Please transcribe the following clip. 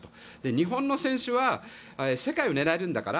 日本の選手は世界を狙えるんだから